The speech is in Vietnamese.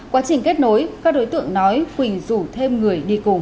quá trình kết nối các đối tượng nói quỳnh rủ thêm người đi cùng